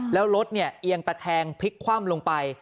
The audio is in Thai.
แล้วรถเนี่ยเอียงตะแคงพลิกคว่ำลงไป